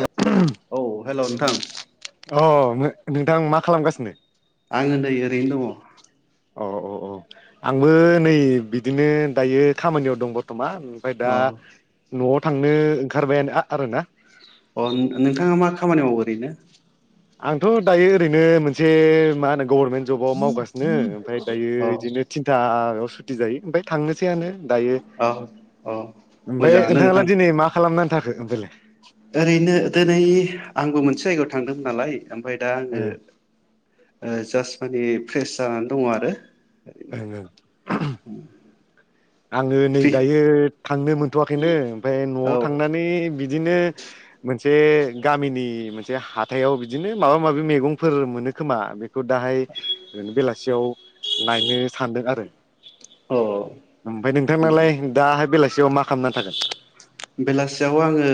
अ औ हेल' नोंथां मो नो थां मा खालामगासिनो आंङो नै ओरैनो दङ अ औ औ आंबो नै बिदिनो दायो खामानियाव दं ब थमान ओमफाय दा औ न'ङाव थांनो ओंखारबायानो आरो ना अ नोंथाङा मा खामानि मावो ओरैनो आंथ' दायो ओरैनो मोनसे मा होनो गभर्नमेन्ट जबाव मावगासिनो ओमफ्राय दायो औ बिदिनो थिनथायाव थि जायो ओमफफ्राय थांनोसैआनो दायो औ औ ओमफ्राय मोजाङानो नोंथां नोंथाङ्ला दिनै मा खालामनानै थाखो हथलै ओरैनो दिनै आंबो मोनसे जायगायाव थांदोंमोन नालाय ओमफफ्राय दा आङो ओं जास्ट माने फ्रेस जानानै दङ आरो [unintelligible] आङो नै फ्रि दायो थांनो मोनथवाखैनो ओमफफ्राय नआव औ थांनानै बिदि बिदिनो मोनसे गामिनि मोनसे हाथथायाव बिदिनो माबा माबि मैगंफोर मोनो खोमा बे दाहाय ओरनो बेलासि खासेयाव नायनो सानदों आरो औ ओमफ्राय नोंथांनाालाय दाहाय बेलासि फआव मा खालामना थागोन बेलासियाव आङो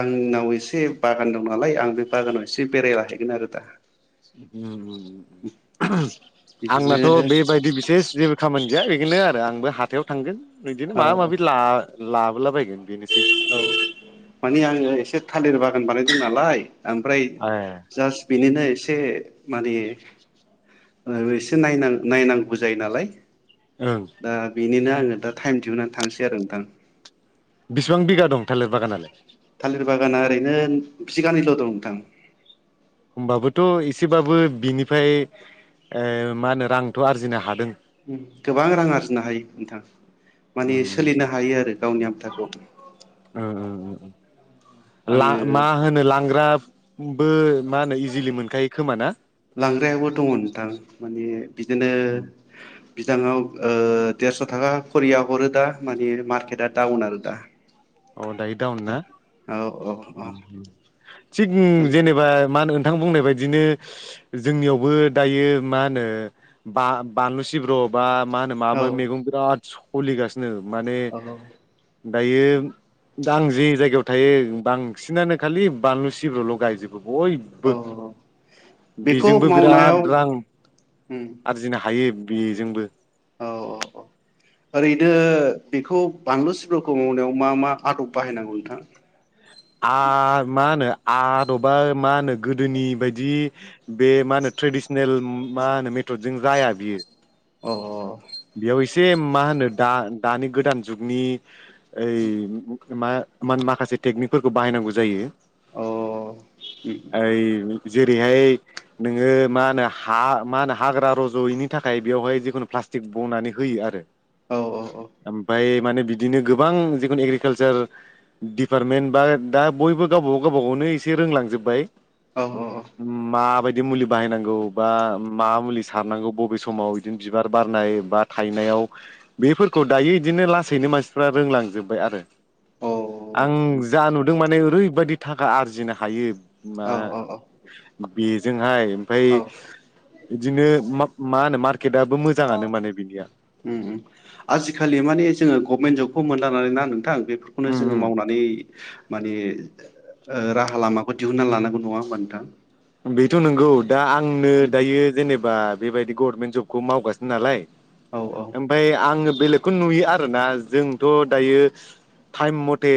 आंनाव एसे बागान दं नालाय आं बे बागानाव एसे बेरायलाहैगोन आरो दा [unintelligible] आंनाथ बिदिनो बेबायदि बिसेस ज खामानिजया बेखौनो आरो आंबो हाथायाव थांगोन बिदिनो औ माबा औ माबि ला लाबोलाबायगोन बेनोसै औ मानिे आङो एसे थालिर बागान बानायदों नालाय ओमफ्राय ए जास्ट बेनिनो एसे एसे माने एसे नायनां नायनांगौ जायो नालाय ओं दा बे बिनिनो आङो दा टाइम दिहुननानै थांसै आरो नोंथां बेसिबां बिघा दं थालिर बागानालाय थालिर बागाना ओरैनो बिगानैल' दं नोंथां होमबाबोथ' एसेबाबो बिनिफ्राय मा होनो रांथ' आरजिनो हादों गोबां रां आरजिनो हायो नोंथां ओ माने सोलिनो हायो आरो गावनिया थाख ओ ओ ओ आङो मा होनो लांग्रा बो लांग्रायो दङ नोंथां माने बिदिनो बिदाङाव देरस' थाखा खरिया हरो दा मानि मार्केटआ दडाउन आरो दा औ दायो दाउन ना औ औ औ थिग माने जेनेबा मा होन नोंथां बुंनाय बायदिनो जोंनियावबो दायो मा होनो बा बानलु सिब्र' बा मा होनो औ माबो मैगं बिराद सोलिगासिनो माने औ औ दायो दा आं जे जायगायाव थायो बांसिनानो खालि बानलु सिब्रुल' गायजोबो। बयबो औ बेखौ बेजोंबो मावनायाव बिराद रां उम आरजिनो हायो। बिजोंबो औ औ औ ओरैनो बेखौ बानलु सिबफोरखौ मावनायाव मा मा आदब बाहायनांगौ नोंथां। आ मा होनो- आबादा मा होनो गोदोनि बायदि बे मा होनो ट्रेडिसनेल मा होनो मेथदजों जाया बियो। अ अ बेयाव एसे मा होनो दा दानि गोदान जुगनि ओइ मा माखासे टेकनिकफोरखौ बाहायनांगौ जायो। औ ओइ जेरैहाय नोंङो मा होनो हा मा होनो हाग्रा रज'यैनि थाखाय बेवहाय जिखुनु प्लास्ट ग बनानै होयो आरो औ औ ओमफाय माने बिदिनो गोबां जिखुनु एग्रिकालसार डिपार्टमेन्ट बा दा बयबो गावबा गाव गावबा गावनो एसे रोंलांजोबबाय औ औ औ। दि मुलि बाहायनांगौ बा मा मुलि सारनांगौ बबे समाव बिदिनो बिबार बारनाय बा थायनायाव बेफोरखौ दायो इदिनो लासैनो मानसिफ्रा रोंलांजोबबाय आरो। आं जा नुदों माने ओरैब बायदि थाखा आरजिनो हायो। मा औ औ बेजोंहाय। ओमफाय औ बिदिनो मा मा होनो मार। [unintelligible] ओम ओम आजिखालि माने जोंङो गभमेन्ट जब खौ मोनदानानै ना नोंथां बेफोरखौनो उम जोंङो मावनानै माने ओ राहा लामाखौ दिहुननानै लानांगौ नंङा होमबा नोंथां। बेथ' नोंगौ। दा आंनो दायो जेनेबा बा बेबायदि गभर्मेन्ट जबखौ मावगासिनो नालाय- औ औ ओमफाय आंङो बेलेक खौ नुयो आरोना जोंथ' दायो थाइम मते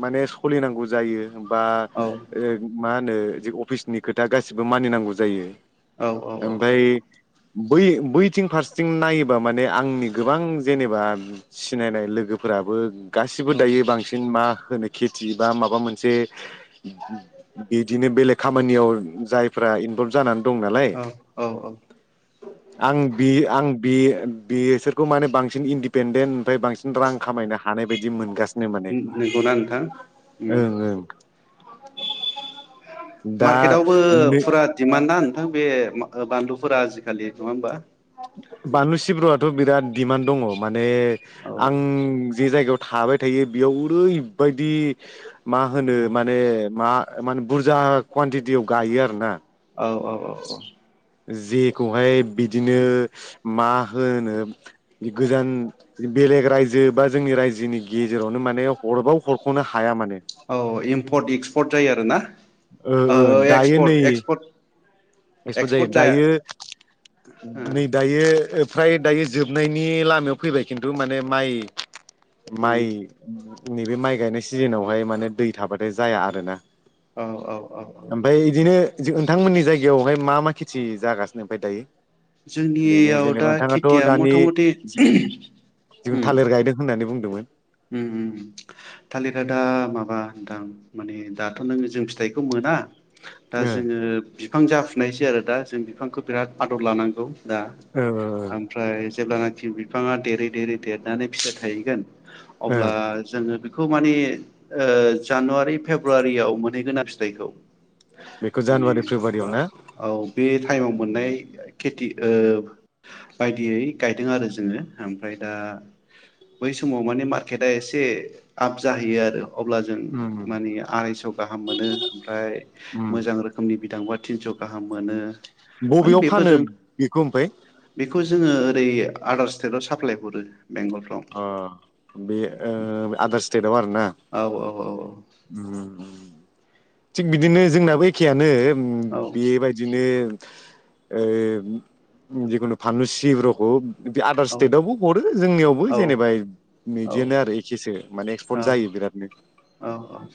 माने सलिनांगौ जायो बा औ ओ मा होनो जि अफिसनि खोथा गासिबो मानिनांगौ जायो औ औ औ औ ओमफाय औ बै बैथिं फारसेथिं नायोबा माने आंनि गोबां जेनेबा सिनायनाय लोगोफोराबो गासिबो औ दायो बांसिन मा होनो खेथि बा माबा मोनसे बिदिनो बेलेग खामानियाव जायफ्रा इनभल्भ जानानै दं नालाय औ औ औ आं बि आं बि बिसोरखौ माने बांसिन इन्दिपेन्डेत फ्राय बांसिन रां खामायनो हानाय बायदि मोनगासिनो माने नंगौना नोंथां ओं ओं दा बो नै फुरा दिम मानोना नोंथां बे मा ओ बानलुफोरा आजिखालि नंङा होमबा बानलु सिब्रुआथ' बिराद दिडिमान्ड दंङ' मान ने औ आं जे जायगायाव थाबाय थायो बेयाव ओरैबायदि मा होनो माने मा माने बुरजा कुवानटिटियाव गायो आरो ना औ औ औ औ जेखौहाय बिदिनो मा होनो जि गोजान बेलेग रायजो बा जोंनि रायजो जोंनि गेजेरावनो माने हरबाव हरख'नो हाया माने [unintelligible] एक्सपर्ट जायो आरो ना? ओ ओ दायो नै एक्सपर्ट जायो दायो नै दायो फ्राय दायो जोबनाय [unintelligible] लामायाव फैबाय खिन्थु माने माइ माइ नैबे माइ गायनाय सिजोनावहाय माने दै थाबाथाय जाया आरोना औ औ औ ओमफ्राय बिदिनो नोंथांमोननि [unintelligible] [unintelligible] मा मा खेथि जागासिनो ओमफाय दायो [unintelligible] जोंनियाव जेनेबा दा नोंथाङाथ' खेथिया दानि मथा मथि थालिर गायदों होननानै बुंदों [unintelligible] थालिरया दा माबा [unintelligible] माने दाथ' जों फिथाइखौ मोना दा ओ जोङो जाफुनायसै आरो दा जों बिफांखौ बिराद आदर लानांगौ दा ओ ओमफ्राय जेब्लानाखि बिफाङा देरै देरै देरनानै फिथाइ थायहैगोन ओ अब्ला जोङो बेखौ माने ओ जानुवारि फेब्रुवारियाव मोनहैगोना फिथाइखौ बेखौ माने जानुवारि फेब्रुवारियाव ना औ बे टाइमाव मोननाय खेथि ओ बायदियै गायदों आरो जोङो ओमफ्राय दा बै समाव माने [unintelligible] आ एसे आप जाहैयो आरो अब्ला जों उम मानिे आरायस' गाहाम मोनो ओमफ्राय उम मोजां रोखोमनि बिदां थिनस गाहाम मोनो माने बबेयाव फानो बेफोरजों बेखौ ओमफ्राय बेखौ जोङो ओरै आदार स्टेटाव साप्लाय हरो बेंगलफ्राव ओ बे ओ आदार स्टेटआव आरोना औ औ उम थिग बिदिनो जोंनाबो एखेयानो उम औ बेबायदिनो ओ जिखुनु फानलु सिब्रखौ बे आदार औ स्टेटआवबो हरो जोंनियावबो औ जेनेबा बिदिनो आरो एखेसो माने एक्सपर्ट जायो बिरादनो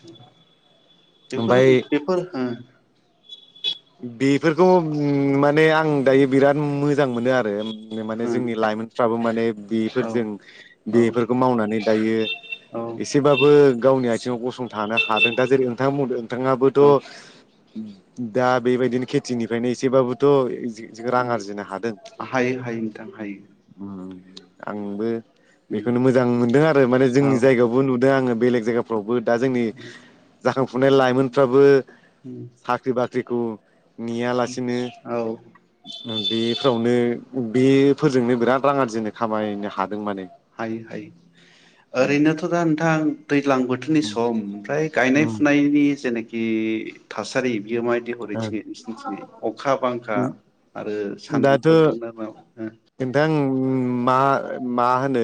[inaudible] बेफोर ओमफ्राय बेफोर ओ बेफोरखौ माने आं दायो बिराद मोजां मोनो आरो नो माने जोंनि लाइमोनफ्राबो माने ओ बेफोरजों औ बेफोरखौ मावनानै दायो औ एसेबाबो गावनि आथिङाव गसंथानो हादों दा जेरै नोंथाङा बुंदों नोंथाङाबोथ औ उम उम। दा बेबायदिनो खेथिनिफ्रायनो एसेबाबोथ जो जों रां आरजिनो हादों हायो हायो नोंथां हायो उम। आंबो। उम बेखौनो मोजां मोनदों आरो माने औ जोंनि जायगायावबो नुदों आङो। बेलेग जायगाफ्रावबो। दा जोंनि जाखां बुनो लाइमोनफ्राबो उम साख्रि बाख्रि ख्रिखौ नेयालासिनो। औ बेफोरावनो बेफोरजोंनो बिराद रां आरजिनो खामायनो हादों माने हायो हायो ओरैनोथ दा नोंथां दैज्लां बोथोरनि सम ओमफ्राय गायनाय फुनायनि जेनेख बि थासारि यो मादि हरो थिंजाय नोंसिनथिंजाय अखा बां। खा आरो दाथ' सान्दुंफोर दुंना माव ओम मा मा होनो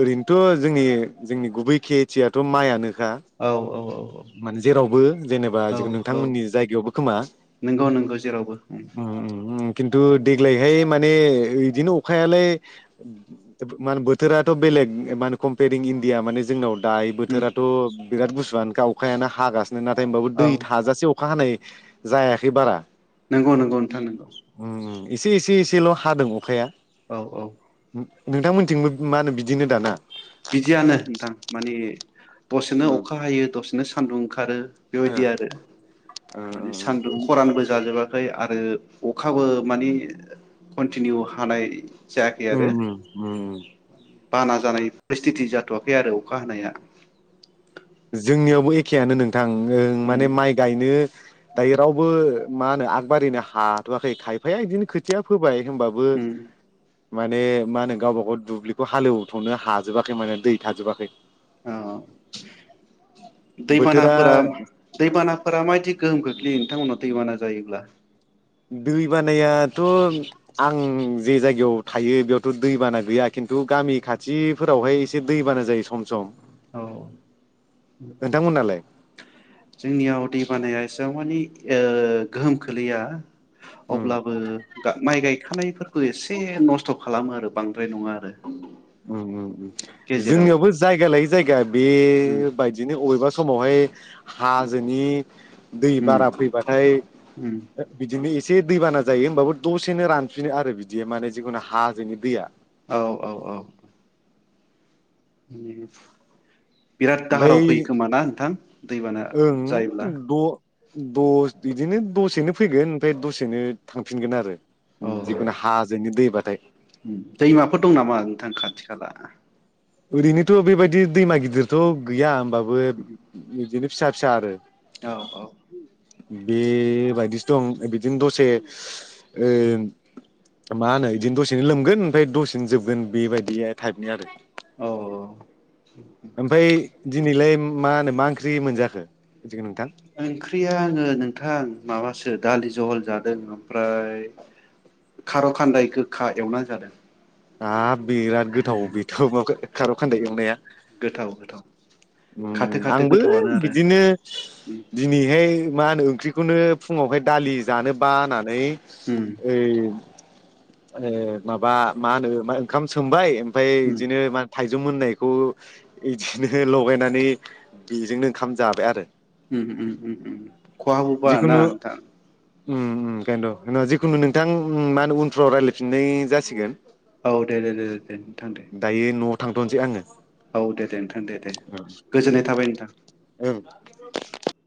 ओरैनोथ' जोंनि जोंनि गुबै खेथियाथ' माइआनो। औ औ औ। माने जेरावबो जेनेबा जखुन औ औ नोंथांमोननि जायगायावबो खोमा? नंगौ नंगौ जेरावबो उम ओम ओम खिन्थु देग्लायहाय माने इदिनो अखायालाय मा होनो बोथोराथ' बेलेग मा होनो कम्पयेरिं इण्डिया माने जोंनाव दायो उम बोथोराथ' बिराद गुसुआनो गाव अखायानो हागासि नो नाथाय होनोमबाबो औ दै थाजासे अखा हानाय जायाखै बारा नोंगौ नोंगौ नोंथां नोंगौ। एसे एसे एसे एसेल' हादों अखाया। औ औ। नोंथांमोनथिंबो मा होनो बिदिनो दाना? बिदियानो नोंथां माने दसेनो उम अखा हायो दसे नो सान्दुं ओंखारो। ओ बेबायदि आरो। ओ माने सानदु खरानोबो जा जोबाखै आरो अखाबो मानि कन्टिनिउ हानाय जायाखै आरो उम उम उम बाना जानाय फ्रेस्टिथि जाथ'वाखै आरो अखा हानाया। जोंनियावबो एखेयानो नों थां ओं उम माने माइ गायनो दायो रावबो मा होनो आगबारिनो हाथ'आाखै खायफाया बिदिनो खोथिया फोबाय। ओमबाबो उम माने मा होनो गावबा गाव दुब्लिखौ हालेवथ'नो हाजोबाखै माने दै थाजोबाखै। ओ अ बोथोरा दैबानाफोरा दैबानाफोरा मायदि? गोहोम खोख्लैयो नोंथांमोननाव दैबाना जायोब्ला? दै बानायाथ' आं जे जायगायाव थायो बेयावथ' दैबाना गैया खिन्थु गामि खाथिफोरावहाय एसे दैबाना जायो सम सम औ नोंथांमोनालाय जोंनियाव दै बानाया एसेबां मानि ओ गोहोम खोलैया उम अब्लाबो गा माइ गाय खानायफोरखौ एसे नस्थ' खालामो आरो बांद्राय नङा आरो उम उम गेजेराव जोंनियावबो जायगा लायै जायगा उम बेबायदिनो अबेबा समावहाय हाजोनि दै उम बारा फैबाथाय उम ओ बिदिनो इस से दैबाना जायो होमबाबो दसेनो रानफिनो आरो बिदिया माने जिखुनु हाजोंनि दैया। औ औ औ। [unintelligible] बिराद दाहाराव ओमफ्राय फैयो खोमा ना नोंथां? दैबाना ओं जायोब्ला द' द' बिदिनो दसेनो फैगोन ओमफ्राय दसेनो थांफिनगोन आरो। औ जिखुनु हाजोनि दैबाथाय दैमाफोर दं नामा नोंथां खाथि खाला ओरैनोथ' बेबायदि दैमा गिदिरथ' गैया होमबाब बोब बिदिनो फिसा फिसा आरो औ औ। बेबायदिसो दं बिदिनो दसे ओ मा होनो इदिनो दसेनो लोमगोन ओमफाय दसेनो जोबगोन बेबायदि टाइपनि आरो। औ औ ओमफाय दिनैलाय मा होनो मा ओंख्रि मोनजाखो? नोंथां ओंख्रिया आङो नोंथां। माबासो दालि जहल जादों ओमफ्राय खार'खान्दाय गोखा एवना जादों। हाब बिराद गोथाव बेथ' मा खार' खान्दाय एवनाया गोथाव गोथाव उम खाथो उम खाथो आंबो गोथावनो आरो बिदिनो उम दिनैहाय मा होनो ओंख्रिखौनो फुंआवहाय दालि जानो बाना नै उम ओइ ए माबा मा होनो मा ओंखाम सोमबाय ओमफ्राय उम इदिनो माद थाइजौ मोननायखौ इदिनो लगायनानै बेजोंनो ओंखाम जाबाय आरो। उम उम खहाबोबा ना जिखुनु नोंथां? उम उम इखायनोथ' होमबा जिखुनु नोंथां मा होनो उनफ्राव रायलायफिननाय जासिगोन। औ दे दे दे दे नोंथां दे। दायो न'आव थांथ'नोसै आङो। औ दे दे नोंथां दे दे गोजोननाय थाबाय नोंथां। [inaudible]